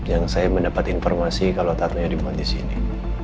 yang saya mendapat informasi kalau tattoo nya dibuat disini